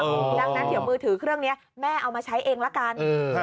ดังนั้นเดี๋ยวมือถือเครื่องนี้แม่เอามาใช้เองละกัน